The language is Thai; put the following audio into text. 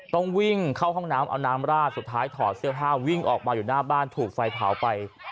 ต้องวิ่งเข้าห้องน้ำเอาน้ำราดสุดท้ายถอดเสื้อผ้าวิ่งออกมาอยู่หน้าบ้านถูกไฟเผาไป